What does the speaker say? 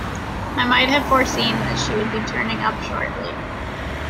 I might have foreseen that she would be turning up shortly.